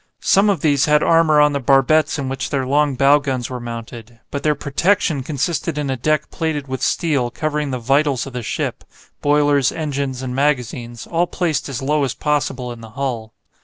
Some of these had armour on the barbettes in which their long bow guns were mounted, but their "protection" consisted in a deck plated with steel covering the "vitals" of the ship, boilers, engines, and magazines, all placed as low as possible in the hull.